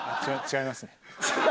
「違います」？